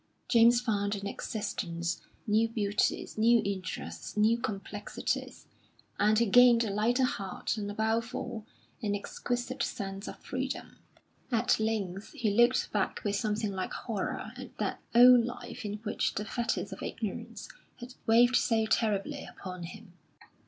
James found in existence new beauties, new interests, new complexities; and he gained a lighter heart and, above all, an exquisite sense of freedom. At length he looked back with something like horror at that old life in which the fetters of ignorance had weighed so terribly upon him.